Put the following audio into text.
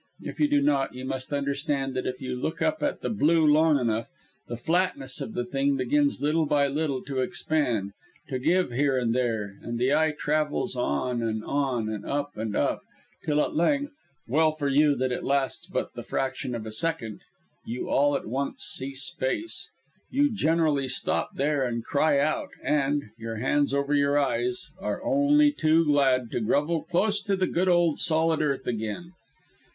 If you do not, you must understand that if you look up at the blue long enough, the flatness of the thing begins little by little to expand, to give here and there; and the eye travels on and on and up and up, till at length (well for you that it lasts but the fraction of a second), you all at once see space. You generally stop there and cry out, and your hands over your eyes are only too glad to grovel close to the good old solid earth again.